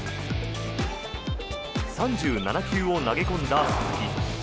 ３７球を投げ込んだ佐々木。